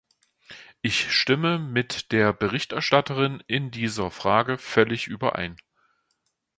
Ich stimme mit der Berichterstatterin in dieser Frage völlig überein.